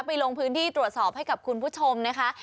ลงพื้นที่ตรวจสอบให้กับคุณผู้ชมนะคะ